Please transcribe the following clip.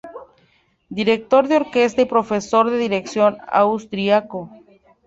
Director de orquesta y profesor de dirección austriaco.